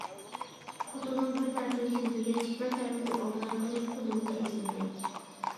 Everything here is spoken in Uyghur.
خوتۇنۇم بىر تەرەپتىن سۆزلىگەچ بىر تەرەپتىن ئالدىراتقىلى قۇلۇمغا ئېسىلدى.